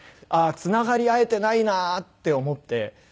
ああーつながり合えてないなって思って。